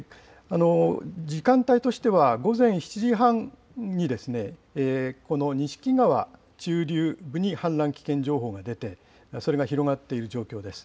時間帯としては午前７時半にこの錦川中流部に氾濫危険情報が出て、それが広がっている状況です。